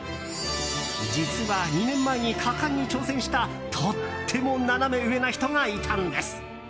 実は２年前に果敢に挑戦したとってもナナメ上な人がいたんです。